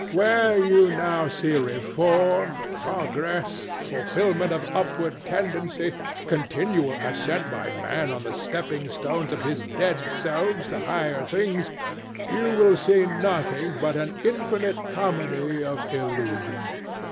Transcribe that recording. Where you now see reform, progress, fulfilment of upward tendency, continual ascent by Man on the stepping stones of his dead selves to higher things, you will see nothing but an infinite comedy of illusion.